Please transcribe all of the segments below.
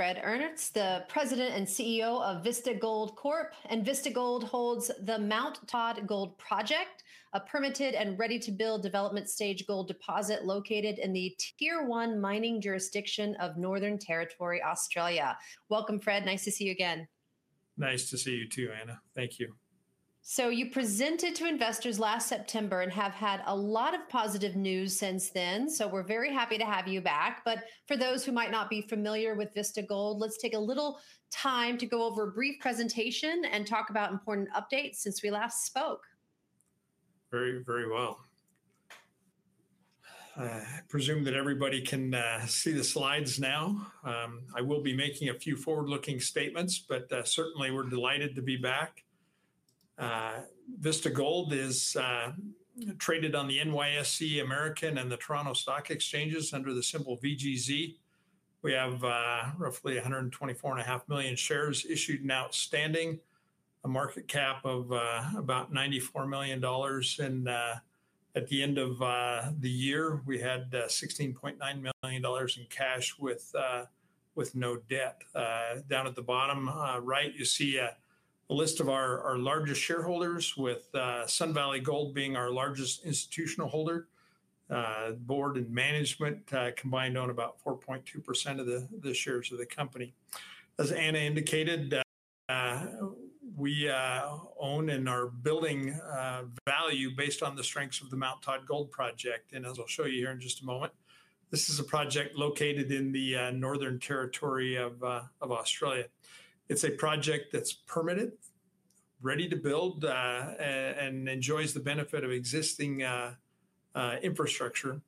Fred Earnest, the President and CEO of Vista Gold Corp., and Vista Gold holds the Mount Todd Gold Project, a permitted and ready-to-build development stage gold deposit located in the Tier 1 mining jurisdiction of Northern Territory, Australia. Welcome, Fred. Nice to see you again. Nice to see you too, Ana. Thank you. You presented to investors last September and have had a lot of positive news since then, so we're very happy to have you back. For those who might not be familiar with Vista Gold, let's take a little time to go over a brief presentation and talk about important updates since we last spoke. Very, very well. I presume that everybody can see the slides now. I will be making a few forward-looking statements, but certainly we're delighted to be back. Vista Gold is traded on the NYSE American and the Toronto Stock Exchanges under the symbol VGZ. We have roughly 124.5 million shares issued and outstanding, a market cap of about $94 million. At the end of the year, we had $16.9 million in cash with no debt. Down at the bottom right, you see a list of our largest shareholders, with Sun Valley Gold being our largest institutional holder. Board and management combined own about 4.2% of the shares of the company. As Ana indicated, we own and are building value based on the strengths of the Mount Todd Gold Project. As I'll show you here in just a moment, this is a project located in the Northern Territory of Australia. It's a project that's permitted, ready to build, and enjoys the benefit of existing infrastructure.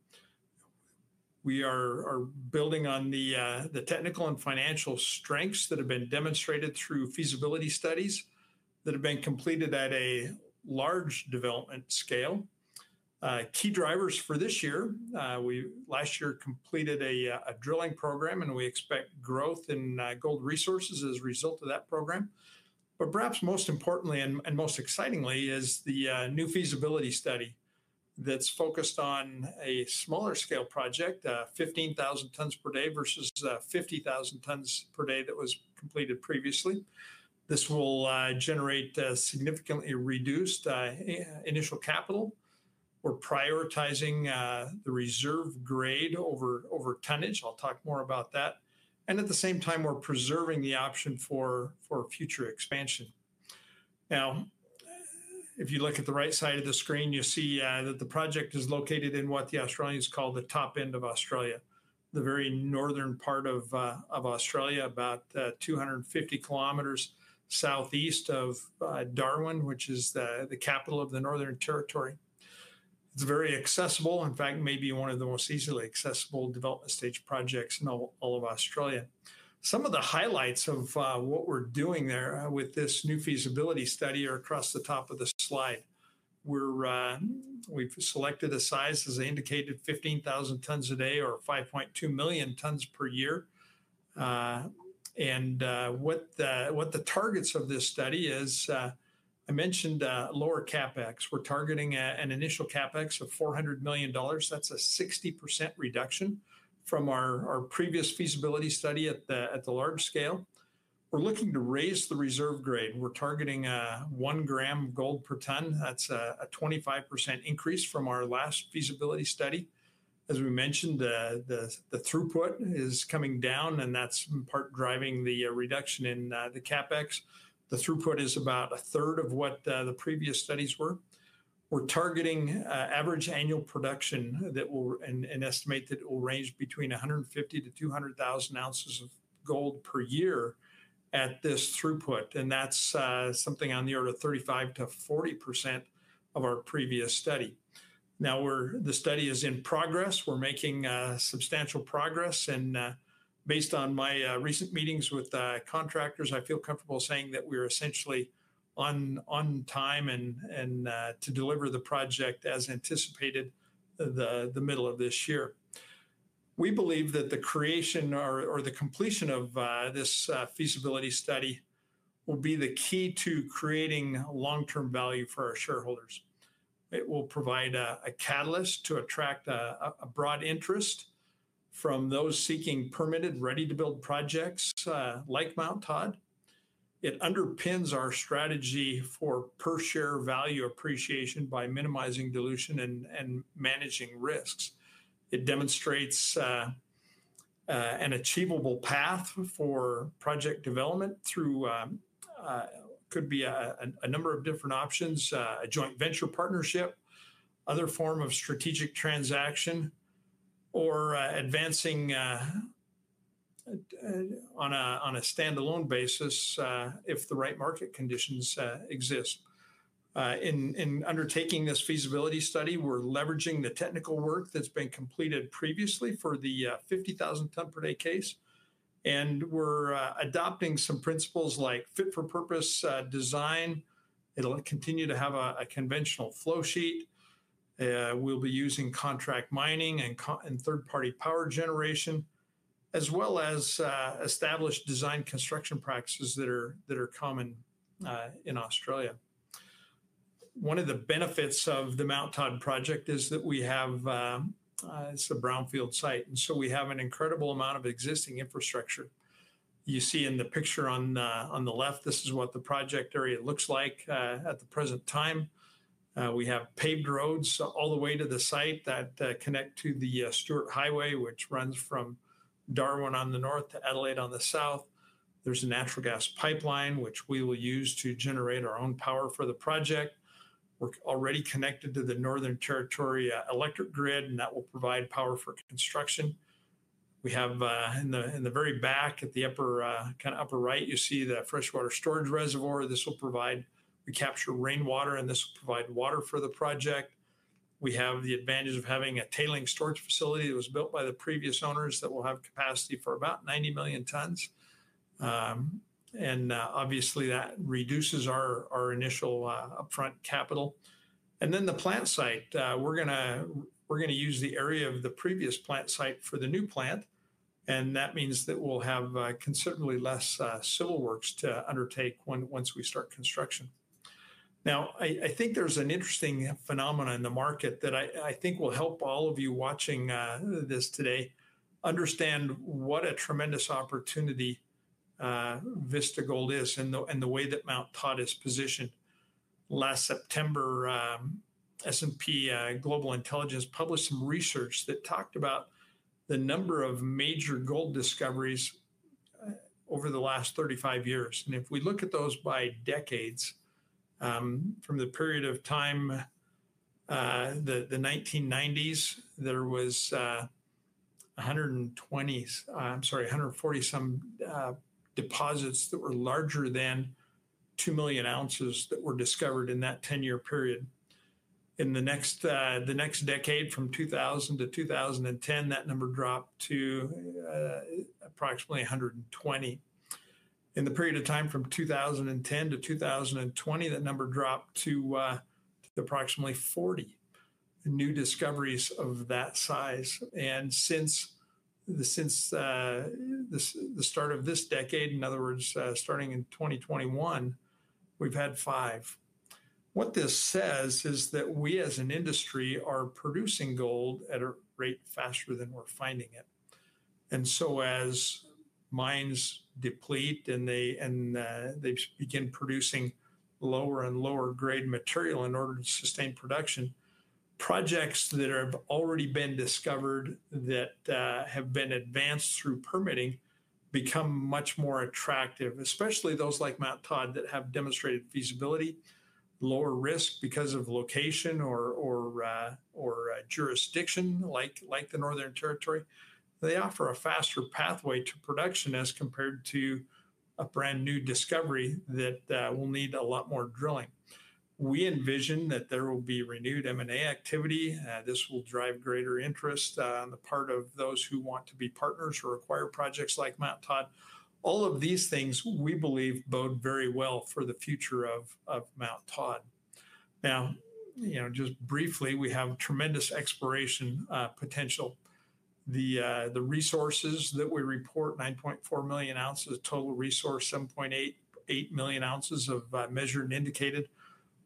We are building on the technical and financial strengths that have been demonstrated through feasibility studies that have been completed at a large development scale. Key drivers for this year: we last year completed a drilling program, and we expect growth in gold resources as a result of that program. Perhaps most importantly and most excitingly is the new feasibility study that's focused on a smaller scale project, 15,000 tons per day versus 50,000 tons per day that was completed previously. This will generate significantly reduced initial capital. We're prioritizing the reserve grade over tonnage. I'll talk more about that. At the same time, we're preserving the option for future expansion. Now, if you look at the right side of the screen, you see that the project is located in what the Australians call the top end of Australia, the very northern part of Australia, about 250 km southeast of Darwin, which is the capital of the Northern Territory. It's very accessible. In fact, maybe one of the most easily accessible development stage projects in all of Australia. Some of the highlights of what we're doing there with this new feasibility study are across the top of the slide. We've selected a size, as I indicated, 15,000 tons per day or 5.2 million tons per year. What the targets of this study is, I mentioned lower CapEx. We're targeting an initial CapEx of $400 million. That's a 60% reduction from our previous feasibility study at the large scale. We're looking to raise the reserve grade. We're targeting one gram of gold per ton. That's a 25% increase from our last feasibility study. As we mentioned, the throughput is coming down, and that's in part driving the reduction in the CapEx. The throughput is about a third of what the previous studies were. We're targeting average annual production that will, and estimate that it will range between 150,000-200,000 ounces of gold per year at this throughput. That's something on the order of 35%-40% of our previous study. The study is in progress. We're making substantial progress. Based on my recent meetings with contractors, I feel comfortable saying that we are essentially on time to deliver the project as anticipated the middle of this year. We believe that the creation or the completion of this feasibility study will be the key to creating long-term value for our shareholders. It will provide a catalyst to attract a broad interest from those seeking permitted, ready-to-build projects like Mount Todd. It underpins our strategy for per-share value appreciation by minimizing dilution and managing risks. It demonstrates an achievable path for project development through, could be a number of different options, a joint venture partnership, other form of strategic transaction, or advancing on a standalone basis if the right market conditions exist. In undertaking this feasibility study, we're leveraging the technical work that's been completed previously for the 50,000 ton per day case. We're adopting some principles like fit for purpose design. It'll continue to have a conventional flow sheet. We'll be using contract mining and third-party power generation, as well as established design construction practices that are common in Australia. One of the benefits of the Mount Todd project is that we have, it's a brownfield site. We have an incredible amount of existing infrastructure. You see in the picture on the left, this is what the project area looks like at the present time. We have paved roads all the way to the site that connect to the Stewart Highway, which runs from Darwin on the north to Adelaide on the south. There is a natural gas pipeline, which we will use to generate our own power for the project. We are already connected to the Northern Territory electric grid, and that will provide power for construction. We have in the very back, at the upper kind of upper right, you see the freshwater storage reservoir. This will provide, we capture rainwater, and this will provide water for the project. We have the advantage of having a tailing storage facility that was built by the previous owners that will have capacity for about 90 million tons. Obviously, that reduces our initial upfront capital. The plant site, we're going to use the area of the previous plant site for the new plant. That means that we'll have considerably less civil works to undertake once we start construction. I think there's an interesting phenomenon in the market that I think will help all of you watching this today understand what a tremendous opportunity Vista Gold is and the way that Mount Todd is positioned. Last September, S&P Global Intelligence published some research that talked about the number of major gold discoveries over the last 35 years. If we look at those by decades, from the period of time, the 1990s, there was 120, I'm sorry, 140 some deposits that were larger than 2 million ounces that were discovered in that 10-year period. In the next decade, from 2000 to 2010, that number dropped to approximately 120. In the period of time from 2010 to 2020, that number dropped to approximately 40 new discoveries of that size. Since the start of this decade, in other words, starting in 2021, we've had five. What this says is that we, as an industry, are producing gold at a rate faster than we're finding it. As mines deplete and they begin producing lower and lower grade material in order to sustain production, projects that have already been discovered that have been advanced through permitting become much more attractive, especially those like Mount Todd that have demonstrated feasibility, lower risk because of location or jurisdiction like the Northern Territory. They offer a faster pathway to production as compared to a brand new discovery that will need a lot more drilling. We envision that there will be renewed M&A activity. This will drive greater interest on the part of those who want to be partners or acquire projects like Mount Todd. All of these things we believe bode very well for the future of Mount Todd. Now, just briefly, we have tremendous exploration potential. The resources that we report, 9.4 million ounces total resource, 7.8 million ounces of measured and indicated,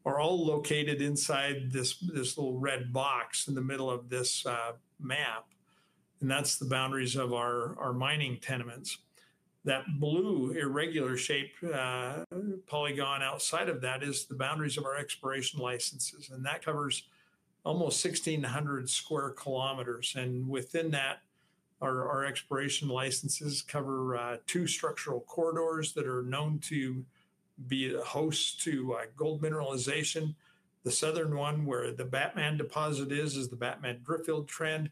are all located inside this little red box in the middle of this map. That is the boundaries of our mining tenements. That blue irregular shaped polygon outside of that is the boundaries of our exploration licenses. That covers almost 1,600 sq km. Within that, our exploration licenses cover two structural corridors that are known to be host to gold mineralization. The southern one, where the Batman deposit is, is the Batman-Driffield trend.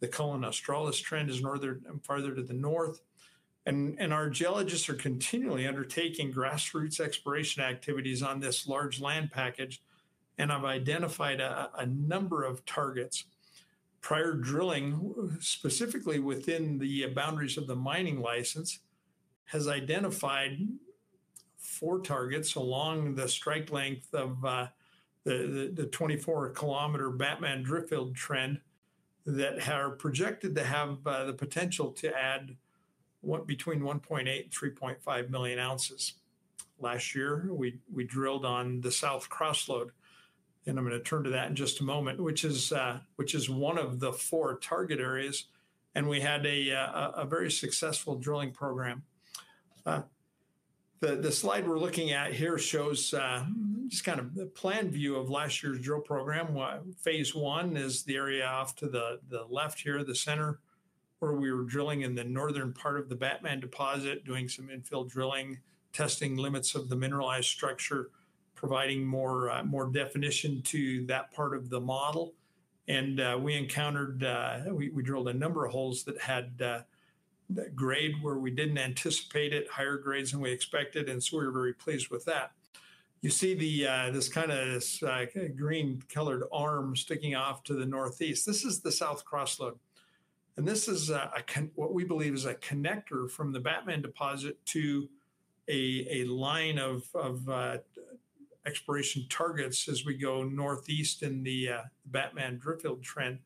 The Cullen-Australis trend is farther to the north. Our geologists are continually undertaking grassroots exploration activities on this large land package. They have identified a number of targets. Prior drilling, specifically within the boundaries of the mining license, has identified four targets along the strike length of the 24 km Batman-Driffield trend that are projected to have the potential to add between 1.8 and 3.5 million ounces. Last year, we drilled on the South Cross Lode. I am going to turn to that in just a moment, which is one of the four target areas. We had a very successful drilling program. The slide we are looking at here shows just kind of the planned view of last year's drill program. Phase one is the area off to the left here, the center, where we were drilling in the northern part of the Batman deposit, doing some infill drilling, testing limits of the mineralized structure, providing more definition to that part of the model. We encountered, we drilled a number of holes that had grade where we did not anticipate it, higher grades than we expected. We were very pleased with that. You see this kind of green-colored arm sticking off to the northeast. This is the South Cross Lode. This is what we believe is a connector from the Batman deposit to a line of exploration targets as we go northeast in the Batman-Driffield trend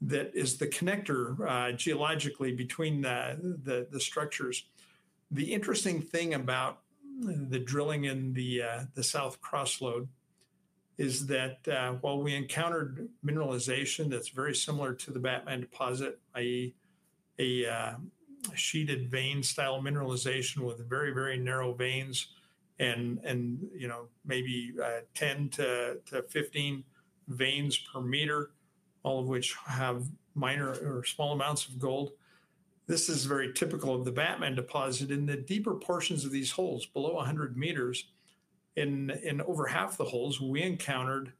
that is the connector geologically between the structures. The interesting thing about the drilling in the South Cross Lode is that while we encountered mineralization that's very similar to the Batman deposit, i.e., a sheeted vein style mineralization with very, very narrow veins and maybe 10-15 veins per meter, all of which have minor or small amounts of gold, this is very typical of the Batman deposit. In the deeper portions of these holes, below 100 meters, in over half the holes, we encountered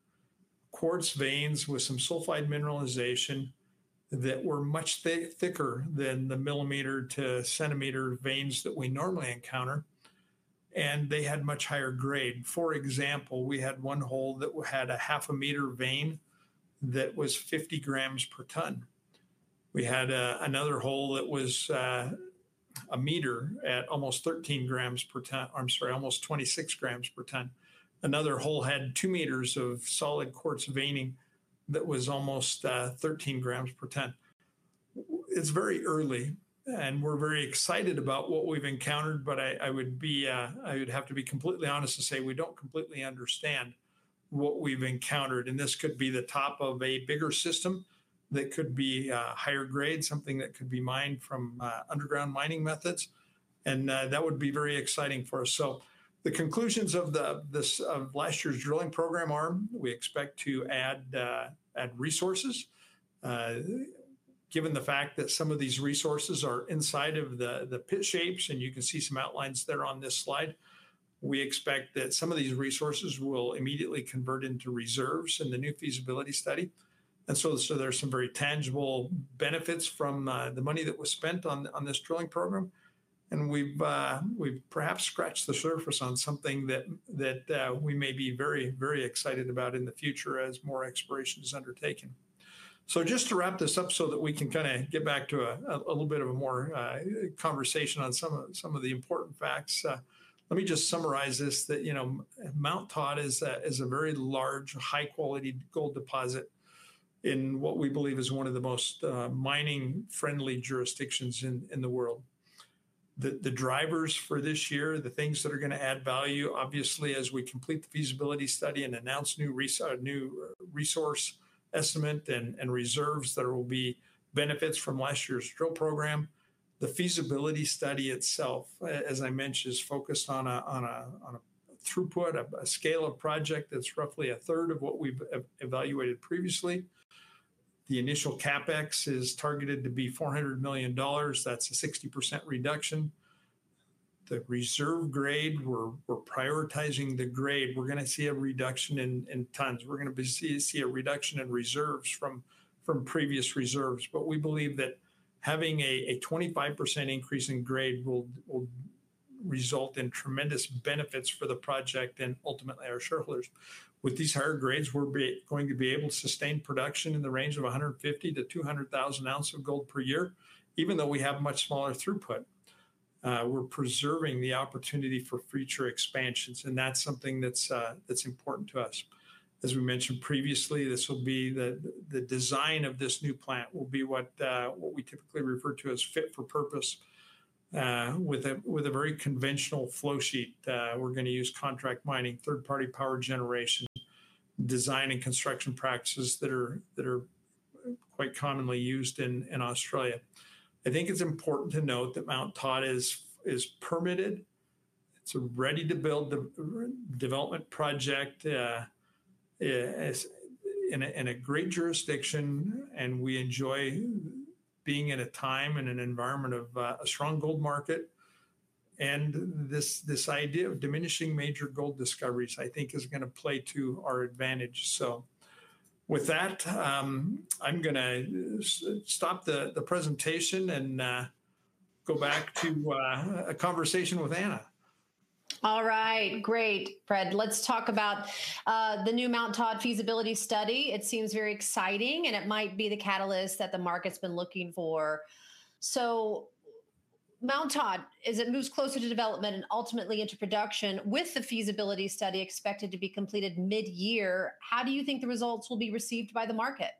quartz veins with some sulfide mineralization that were much thicker than the millimeter to centimeter veins that we normally encounter. They had much higher grade. For example, we had one hole that had a half a meter vein that was 50 grams per ton. We had another hole that was a meter at almost 13 grams per ton, I'm sorry, almost 26 grams per ton. Another hole had 2 meters of solid quartz veining that was almost 13 grams per ton. It's very early. We're very excited about what we've encountered. I would have to be completely honest to say we don't completely understand what we've encountered. This could be the top of a bigger system that could be higher grade, something that could be mined from underground mining methods. That would be very exciting for us. The conclusions of last year's drilling program are, we expect to add resources. Given the fact that some of these resources are inside of the pit shapes, and you can see some outlines there on this slide, we expect that some of these resources will immediately convert into reserves in the new feasibility study. There are some very tangible benefits from the money that was spent on this drilling program. We've perhaps scratched the surface on something that we may be very, very excited about in the future as more exploration is undertaken. Just to wrap this up so that we can kind of get back to a little bit of a more conversation on some of the important facts, let me just summarize this. Mount Todd is a very large, high-quality gold deposit in what we believe is one of the most mining-friendly jurisdictions in the world. The drivers for this year, the things that are going to add value, obviously, as we complete the feasibility study and announce new resource estimate and reserves that will be benefits from last year's drilling program. The feasibility study itself, as I mentioned, is focused on a throughput, a scale of project that's roughly a third of what we've evaluated previously. The initial CapEx is targeted to be $400 million. That's a 60% reduction. The reserve grade, we're prioritizing the grade. We're going to see a reduction in tons. We're going to see a reduction in reserves from previous reserves. We believe that having a 25% increase in grade will result in tremendous benefits for the project and ultimately our shareholders. With these higher grades, we're going to be able to sustain production in the range of 150,000-200,000 ounces of gold per year, even though we have much smaller throughput. We're preserving the opportunity for future expansions. That's something that's important to us. As we mentioned previously, the design of this new plant will be what we typically refer to as fit for purpose with a very conventional flow sheet. We're going to use contract mining, third-party power generation, design and construction practices that are quite commonly used in Australia. I think it's important to note that Mount Todd is permitted. It's a ready-to-build development project in a great jurisdiction. We enjoy being in a time and an environment of a strong gold market. This idea of diminishing major gold discoveries, I think, is going to play to our advantage. With that, I'm going to stop the presentation and go back to a conversation with Ana. All right. Great, Fred. Let's talk about the new Mount Todd feasibility study. It seems very exciting. It might be the catalyst that the market's been looking for. Mount Todd, as it moves closer to development and ultimately into production with the feasibility study expected to be completed mid-year, how do you think the results will be received by the market?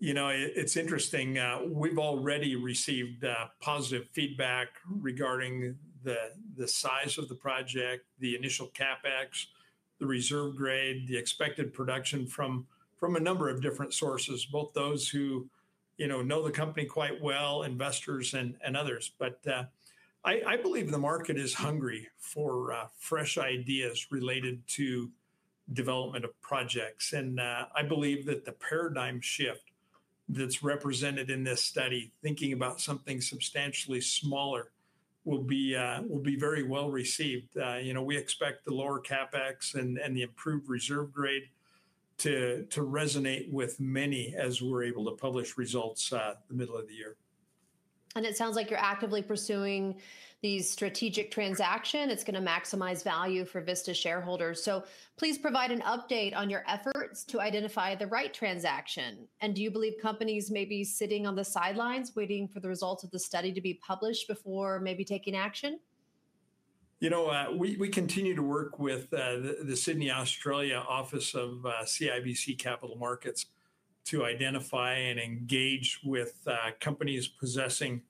You know, it's interesting. We've already received positive feedback regarding the size of the project, the initial CapEx, the reserve grade, the expected production from a number of different sources, both those who know the company quite well, investors, and others. I believe the market is hungry for fresh ideas related to development of projects. I believe that the paradigm shift that's represented in this study, thinking about something substantially smaller, will be very well received. We expect the lower CapEx and the improved reserve grade to resonate with many as we're able to publish results the middle of the year. It sounds like you're actively pursuing these strategic transactions. It's going to maximize value for Vista shareholders. Please provide an update on your efforts to identify the right transaction. Do you believe companies may be sitting on the sidelines waiting for the results of the study to be published before maybe taking action? You know, we continue to work with the Sydney, Australia office of CIBC Capital Markets to identify and engage with companies possessing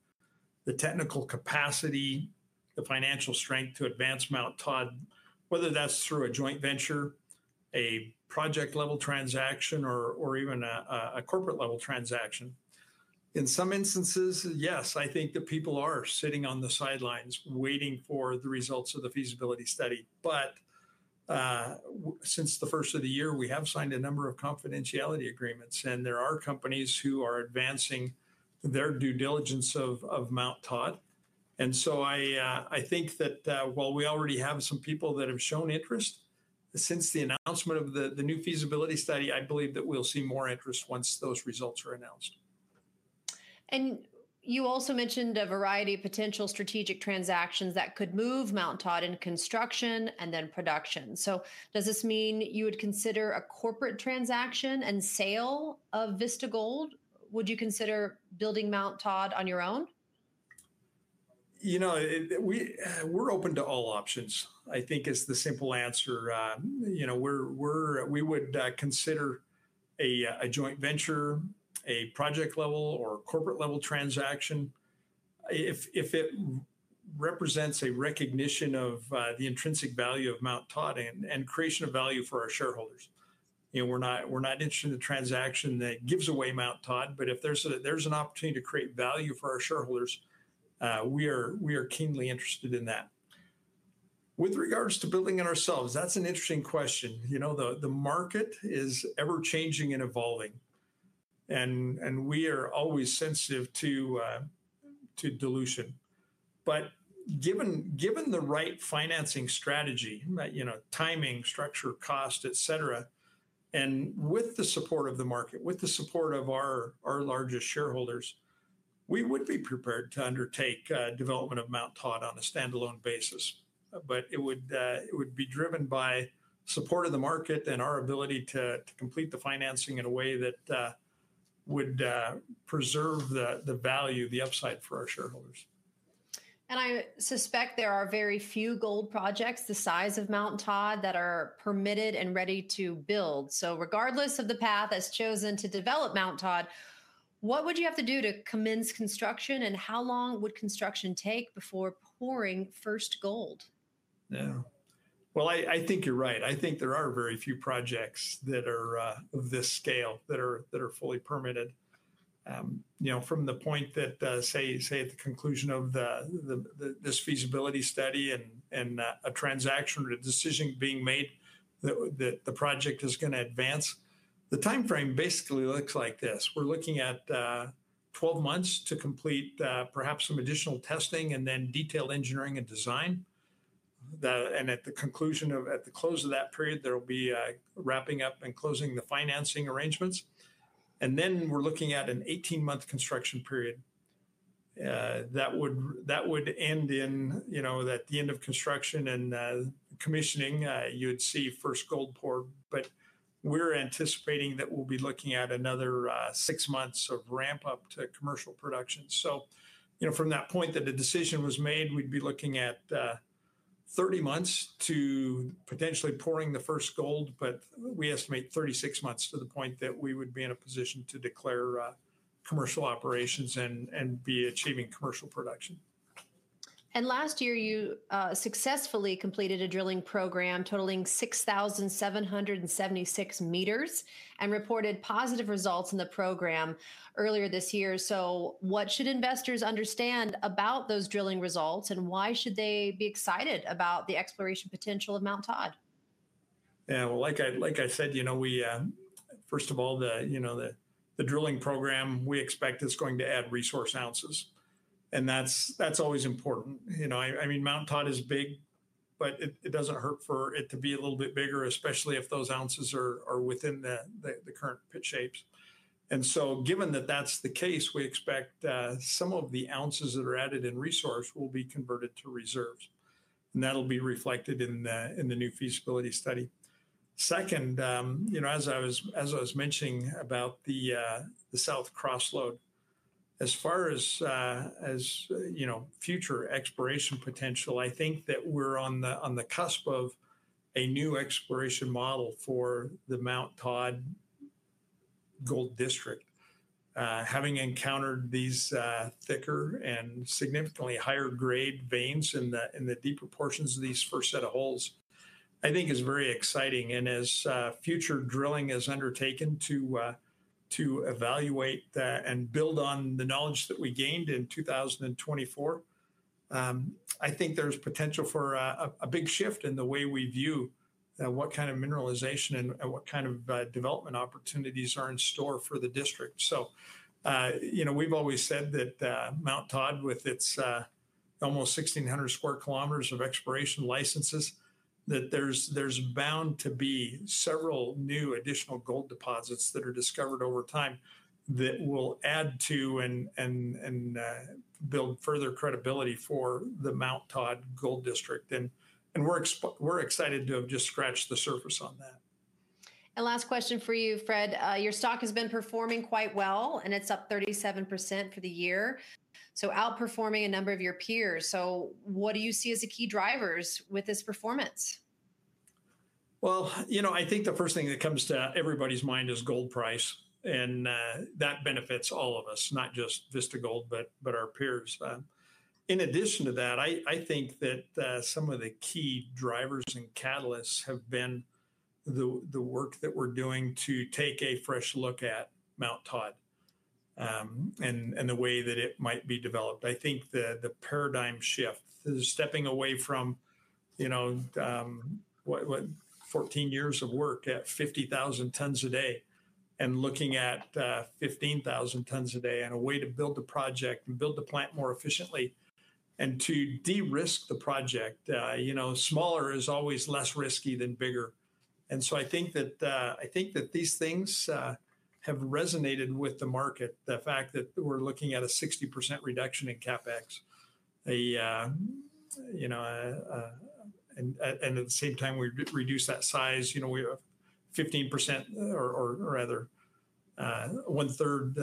the technical capacity, the financial strength to advance Mount Todd, whether that's through a joint venture, a project-level transaction, or even a corporate-level transaction. In some instances, yes, I think that people are sitting on the sidelines waiting for the results of the feasibility study. Since the first of the year, we have signed a number of confidentiality agreements. There are companies who are advancing their due diligence of Mount Todd. I think that while we already have some people that have shown interest since the announcement of the new feasibility study, I believe that we'll see more interest once those results are announced. You also mentioned a variety of potential strategic transactions that could move Mount Todd in construction and then production. Does this mean you would consider a corporate transaction and sale of Vista Gold? Would you consider building Mount Todd on your own? You know, we're open to all options, I think, is the simple answer. We would consider a joint venture, a project-level or corporate-level transaction if it represents a recognition of the intrinsic value of Mount Todd and creation of value for our shareholders. We're not interested in a transaction that gives away Mount Todd. If there's an opportunity to create value for our shareholders, we are keenly interested in that. With regards to building it ourselves, that's an interesting question. The market is ever-changing and evolving. We are always sensitive to dilution. Given the right financing strategy, timing, structure, cost, et cetera, and with the support of the market, with the support of our largest shareholders, we would be prepared to undertake development of Mount Todd on a standalone basis. It would be driven by support of the market and our ability to complete the financing in a way that would preserve the value, the upside for our shareholders. I suspect there are very few gold projects the size of Mount Todd that are permitted and ready to build. Regardless of the path as chosen to develop Mount Todd, what would you have to do to commence construction? How long would construction take before pouring first gold? Yeah. I think you're right. I think there are very few projects that are of this scale that are fully permitted. From the point that, say, at the conclusion of this feasibility study and a transaction or a decision being made that the project is going to advance, the time frame basically looks like this. We're looking at 12 months to complete perhaps some additional testing and then detailed engineering and design. At the conclusion of, at the close of that period, there will be wrapping up and closing the financing arrangements. We're looking at an 18-month construction period. That would end in, at the end of construction and commissioning, you would see first gold pour. We're anticipating that we'll be looking at another six months of ramp-up to commercial production. From that point that the decision was made, we'd be looking at 30 months to potentially pouring the first gold. We estimate 36 months to the point that we would be in a position to declare commercial operations and be achieving commercial production. Last year, you successfully completed a drilling program totaling 6,776 meters and reported positive results in the program earlier this year. What should investors understand about those drilling results? Why should they be excited about the exploration potential of Mount Todd? Yeah. Like I said, first of all, the drilling program, we expect it's going to add resource ounces. That's always important. I mean, Mount Todd is big, but it doesn't hurt for it to be a little bit bigger, especially if those ounces are within the current pit shapes. Given that that's the case, we expect some of the ounces that are added in resource will be converted to reserves. That will be reflected in the new feasibility study. Second, as I was mentioning about the South Cross Lode, as far as future exploration potential, I think that we're on the cusp of a new exploration model for the Mount Todd Gold District. Having encountered these thicker and significantly higher grade veins in the deeper portions of these first set of holes, I think is very exciting. As future drilling is undertaken to evaluate and build on the knowledge that we gained in 2024, I think there's potential for a big shift in the way we view what kind of mineralization and what kind of development opportunities are in store for the district. We have always said that Mount Todd, with its almost 1,600 sq km of exploration licenses, that there is bound to be several new additional gold deposits that are discovered over time that will add to and build further credibility for the Mount Todd Gold District. We are excited to have just scratched the surface on that. Last question for you, Fred. Your stock has been performing quite well. It is up 37% for the year, so outperforming a number of your peers. What do you see as the key drivers with this performance? You know, I think the first thing that comes to everybody's mind is gold price. That benefits all of us, not just Vista Gold, but our peers. In addition to that, I think that some of the key drivers and catalysts have been the work that we're doing to take a fresh look at Mount Todd and the way that it might be developed. I think the paradigm shift, stepping away from 14 years of work at 50,000 tons a day and looking at 15,000 tons a day and a way to build the project and build the plant more efficiently and to de-risk the project. Smaller is always less risky than bigger. I think that these things have resonated with the market, the fact that we're looking at a 60% reduction in CapEx. At the same time, we reduce that size. We have 15%, or rather one-third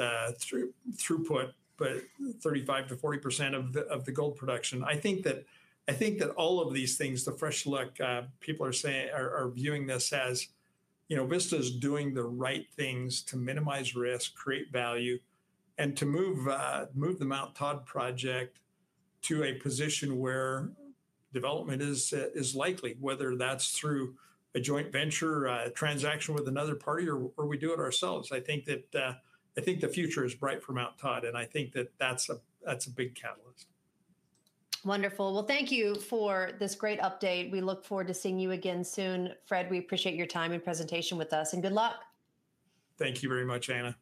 throughput, but 35% to 40% of the gold production. I think that all of these things, the fresh look, people are viewing this as Vista's doing the right things to minimize risk, create value, and to move the Mount Todd project to a position where development is likely, whether that's through a joint venture, a transaction with another party, or we do it ourselves. I think the future is bright for Mount Todd. I think that that's a big catalyst. Wonderful. Thank you for this great update. We look forward to seeing you again soon. Fred, we appreciate your time and presentation with us. Good luck. Thank you very much, Ana.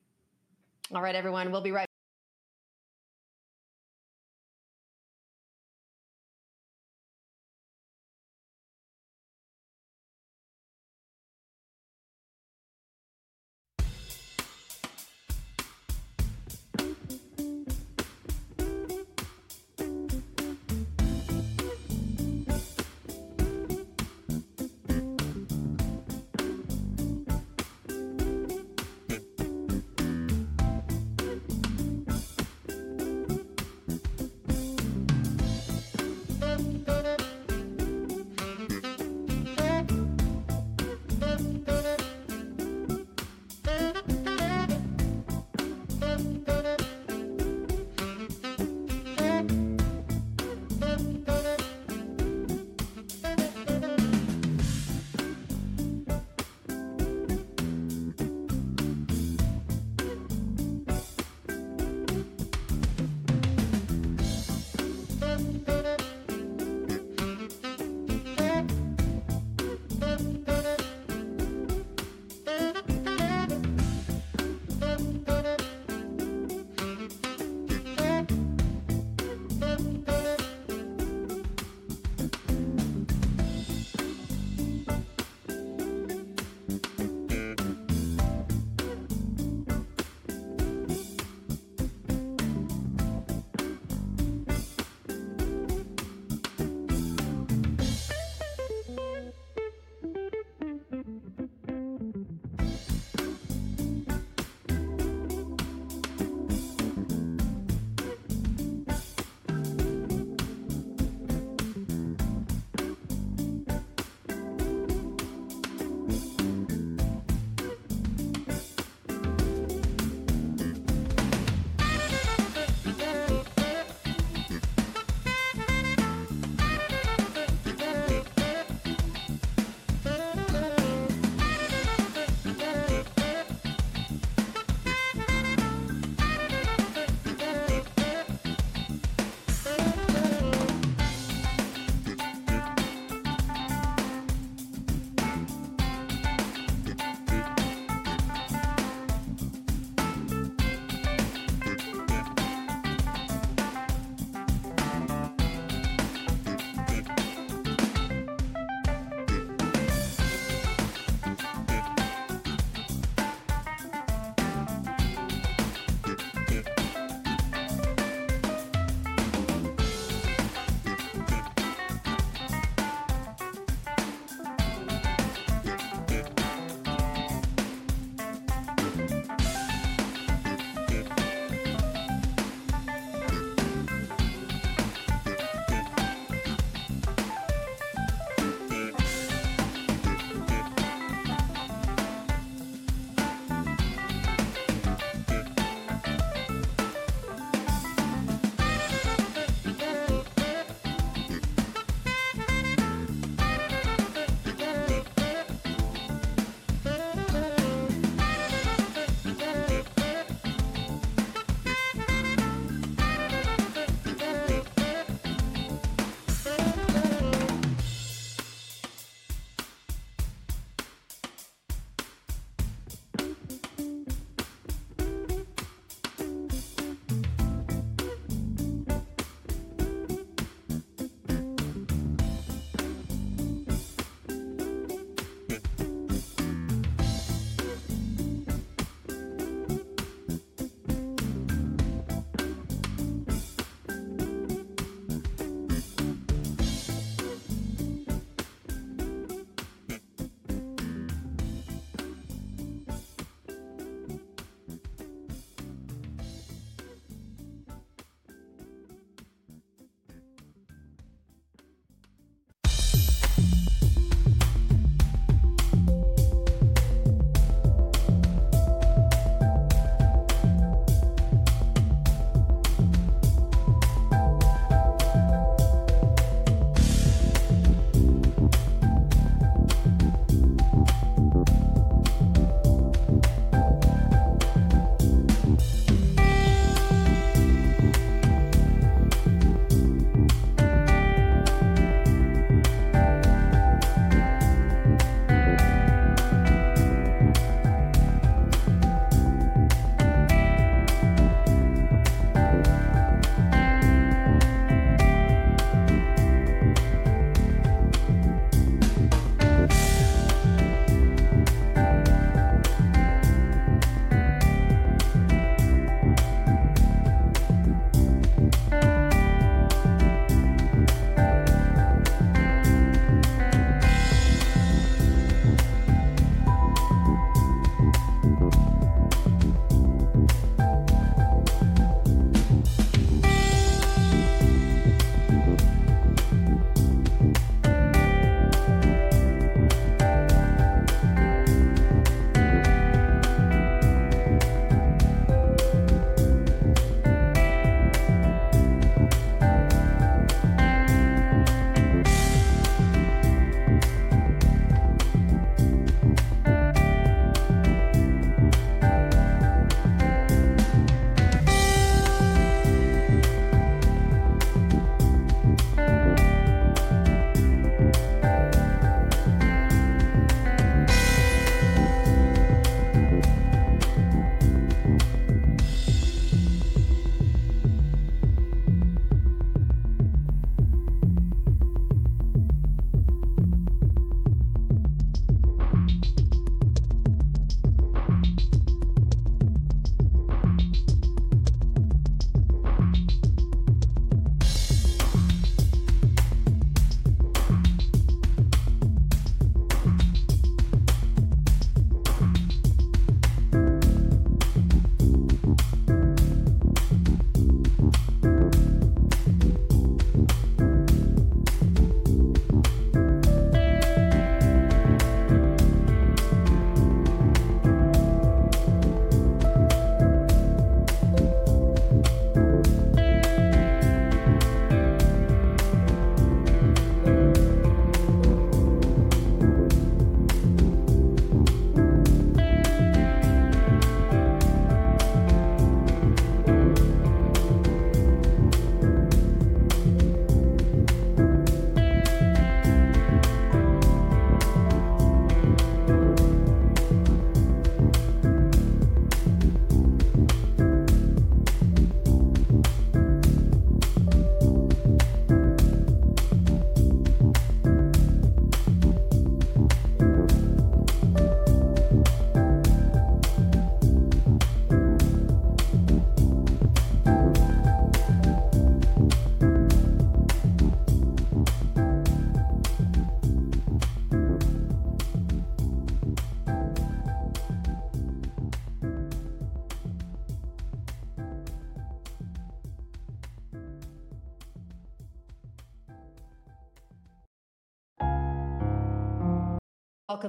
All right, everyone. We'll be right. Welcome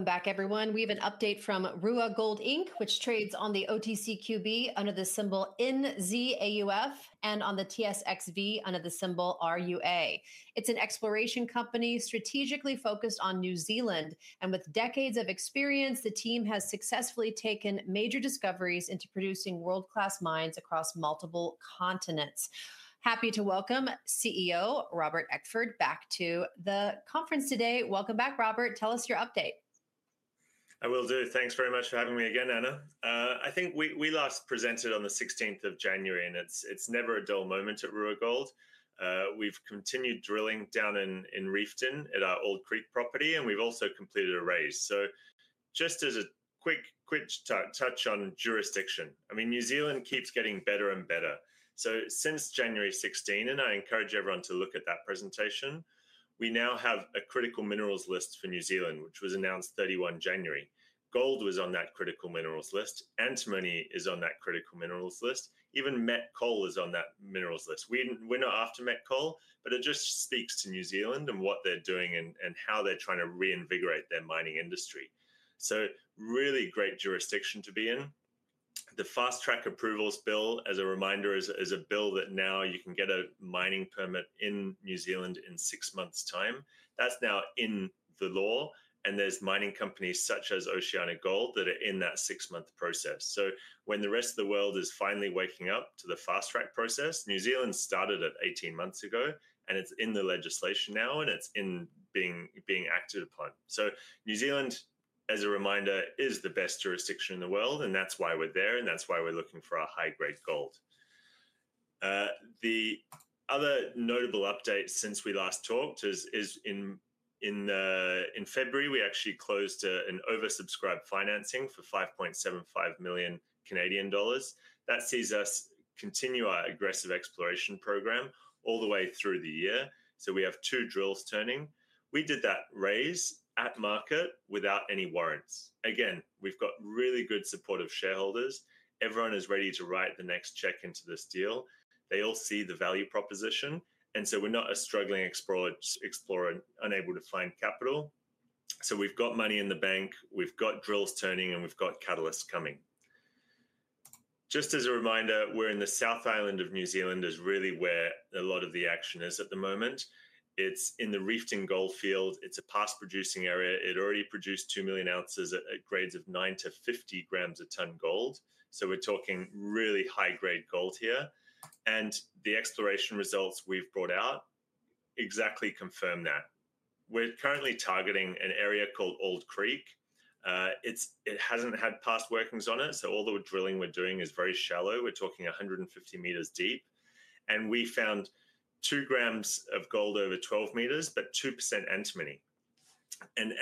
back, everyone. We have an update from RUA Gold, which trades on the OTCQB under the symbol NZAUF and on the TSXV under the symbol RUA. It's an exploration company strategically focused on New Zealand. With decades of experience, the team has successfully taken major discoveries into producing world-class mines across multiple continents. Happy to welcome CEO Robert Eckford back to the conference today. Welcome back, Robert. Tell us your update. I will do. Thanks very much for having me again, Ana. I think we last presented on the 16th of January. It is never a dull moment at RUA Gold. We have continued drilling down in Reefton at our Auld Creek property. We have also completed a raise. Just as a quick touch on jurisdiction, I mean, New Zealand keeps getting better and better. Since January 16, and I encourage everyone to look at that presentation, we now have a critical minerals list for New Zealand, which was announced 31 January. Gold was on that critical minerals list. Antimony is on that critical minerals list. Even met coal is on that minerals list. We're not after met coal, but it just speaks to New Zealand and what they're doing and how they're trying to reinvigorate their mining industry. Really great jurisdiction to be in. The Fast Track Approvals Bill, as a reminder, is a bill that now you can get a mining permit in New Zealand in six months' time. That's now in the law. There are mining companies such as OceanaGold that are in that six-month process. When the rest of the world is finally waking up to the Fast Track process, New Zealand started it 18 months ago. It's in the legislation now. It's being acted upon. New Zealand, as a reminder, is the best jurisdiction in the world. That's why we're there. That's why we're looking for our high-grade gold. The other notable update since we last talked is in February, we actually closed an oversubscribed financing for 5.75 million Canadian dollars. That sees us continue our aggressive exploration program all the way through the year. We have two drills turning. We did that raise at market without any warrants. Again, we've got really good supportive shareholders. Everyone is ready to write the next check into this deal. They all see the value proposition. We are not a struggling explorer unable to find capital. We've got money in the bank. We've got drills turning. We've got catalysts coming. Just as a reminder, we are in the South Island of New Zealand, which is really where a lot of the action is at the moment. It is in the Reefton Goldfield. It is a past-producing area. It already produced 2 million ounces at grades of 9-50 grams a ton gold. We're talking really high-grade gold here. The exploration results we've brought out exactly confirm that. We're currently targeting an area called Auld Creek. It hasn't had past workings on it. All the drilling we're doing is very shallow. We're talking 150 meters deep. We found 2 grams of gold over 12 meters, but 2% antimony.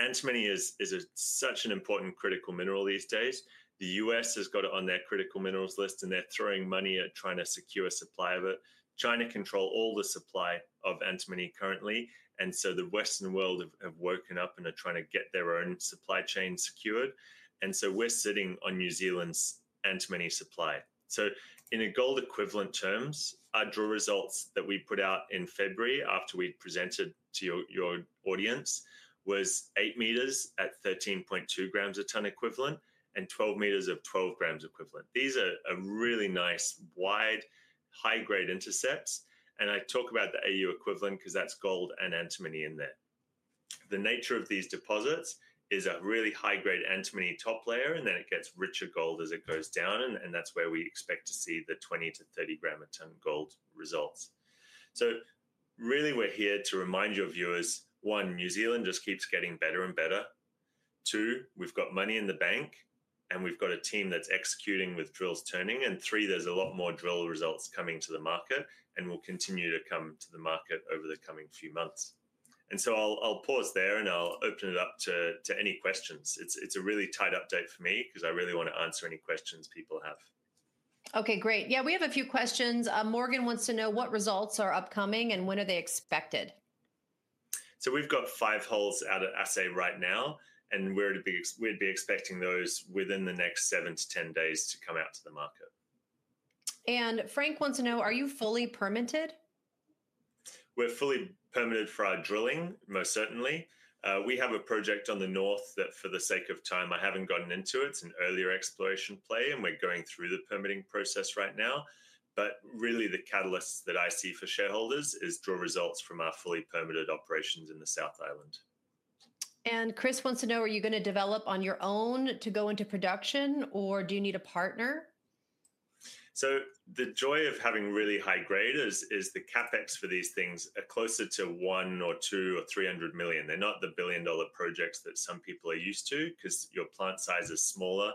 Antimony is such an important critical mineral these days. The U.S. has got it on their critical minerals list. They're throwing money at trying to secure a supply of it. China controls all the supply of antimony currently. The Western world have woken up and are trying to get their own supply chain secured. We're sitting on New Zealand's antimony supply. In gold equivalent terms, our drill results that we put out in February after we presented to your audience was 8 meters at 13.2 grams per ton equivalent and 12 meters of 12 grams equivalent. These are really nice, wide, high-grade intercepts. I talk about the AU equivalent because that's gold and antimony in there. The nature of these deposits is a really high-grade antimony top layer. Then it gets richer gold as it goes down. That's where we expect to see the 20-30 gram per ton gold results. Really, we're here to remind your viewers, one, New Zealand just keeps getting better and better. Two, we've got money in the bank. We've got a team that's executing with drills turning. Three, there's a lot more drill results coming to the market. We will continue to come to the market over the coming few months. I'll pause there. I'll open it up to any questions. It's a really tight update for me because I really want to answer any questions people have. OK, great. Yeah, we have a few questions. Morgan wants to know what results are upcoming and when are they expected. We've got five holes out at Assay right now. We'd be expecting those within the next 7-10 days to come out to the market. Frank wants to know, are you fully permitted? We're fully permitted for our drilling, most certainly. We have a project on the north that, for the sake of time, I haven't gotten into. It's an earlier exploration play. We're going through the permitting process right now. Really, the catalysts that I see for shareholders is drill results from our fully permitted operations in the South Island. Chris wants to know, are you going to develop on your own to go into production? Or do you need a partner? The joy of having really high grade is the CapEx for these things are closer to $100 million-$200 million or $300 million. They're not the billion-dollar projects that some people are used to because your plant size is smaller.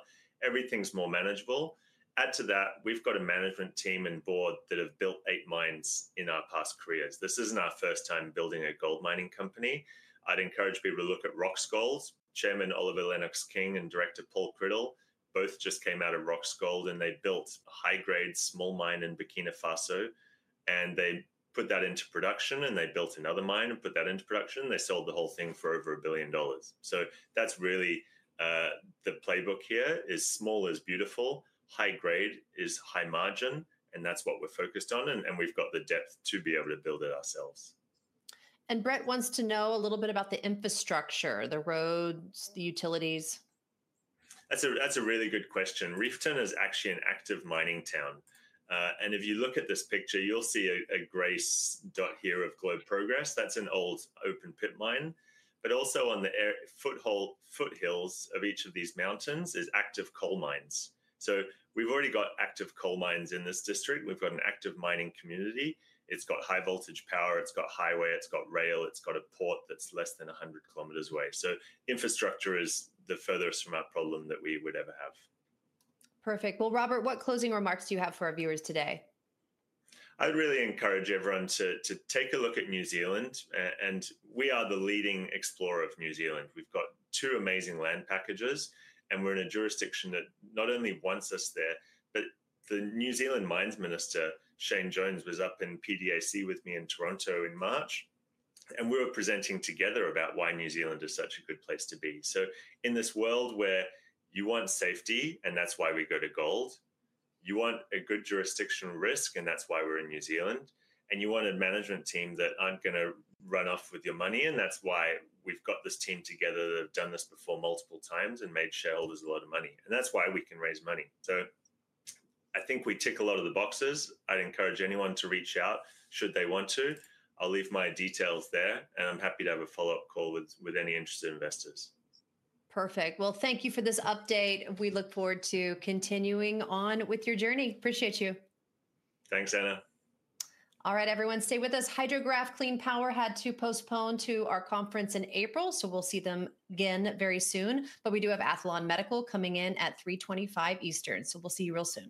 Everything's more manageable. Add to that, we've got a management team and board that have built eight mines in our past careers. This isn't our first time building a gold mining company. I'd encourage people to look at Roxgold. Chairman Oliver Lennox-King and Director Paul Criddle both just came out of Roxgold. They built a high-grade small mine in Burkina Faso. They put that into production. They built another mine and put that into production. They sold the whole thing for over $1 billion. That is really the playbook here: small is beautiful. High grade is high margin. That is what we are focused on. We have got the depth to be able to build it ourselves. Brett wants to know a little bit about the infrastructure, the roads, the utilities. That is a really good question. Reefton is actually an active mining town. If you look at this picture, you will see a gray dot here of Globe Progress. That is an old open pit mine. Also, on the foothills of each of these mountains are active coal mines. We have already got active coal mines in this district. We have got an active mining community. It has got high-voltage power. It has got highway. It has got rail. It's got a port that's less than 100 km away. Infrastructure is the furthest from our problem that we would ever have. Perfect. Robert, what closing remarks do you have for our viewers today? I'd really encourage everyone to take a look at New Zealand. We are the leading explorer of New Zealand. We've got two amazing land packages. We are in a jurisdiction that not only wants us there, but the New Zealand Mines Minister, Shane Jones, was up in PDAC with me in Toronto in March. We were presenting together about why New Zealand is such a good place to be. In this world where you want safety, and that's why we go to gold, you want a good jurisdiction risk, and that's why we're in New Zealand, and you want a management team that aren't going to run off with your money, and that's why we've got this team together that have done this before multiple times and made shareholders a lot of money. That's why we can raise money. I think we tick a lot of the boxes. I'd encourage anyone to reach out should they want to. I'll leave my details there. I'm happy to have a follow-up call with any interested investors. Perfect. Thank you for this update. We look forward to continuing on with your journey. Appreciate you. Thanks, Ana. All right, everyone, stay with us. HydroGraph Clean Power had to postpone to our conference in April. We will see them again very soon. We do have Aethlon Medical coming in at 3:25 P.M. Eastern. We will see you real soon.